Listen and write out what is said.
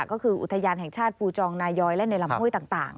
ก็คืออุทยานแห่งชาติภูจองนายอยและในลำห้วยต่าง